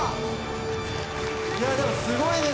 いやでもすごいですよ。